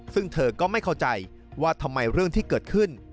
ซึ่งเธอก็ไม่เข้าใจว่าทำไมเรื่องที่เกิดขึ้น